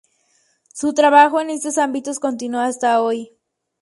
Su trabajo en estos ámbitos continúa hasta hoy.